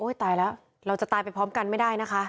ตายแล้วเราจะตายไปพร้อมกันไม่ได้นะคะ